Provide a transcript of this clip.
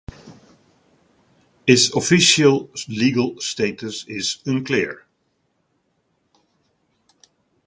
Its official legal status is unclear.